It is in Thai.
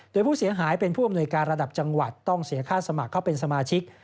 โดยผู้เสียหายเป็นผู้อำนวยการระดับจังหวัดต้องเสียค่าสมัครเข้าเป็นสมาชิก